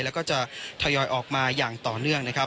แล้วก็จะทยอยออกมาอย่างต่อเนื่องนะครับ